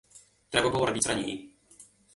Трэба было рабіць раней.